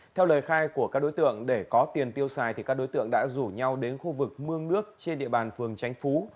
theo lời khai của các đối tượng để có tiền tiêu xài các đối tượng đã rủ nhau đến khu vực mương nước trên địa bàn phường tránh phú